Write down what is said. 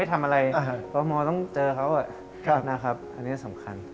ไม่ทำอะไรเพราะโมงต้องเจอเขาอ่ะครับนะครับอันนี้สำคัญ